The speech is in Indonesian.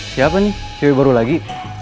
siapa nih cewek baru lagi